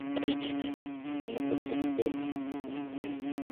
দোমনা করে খেয়ে সুখ হয় না।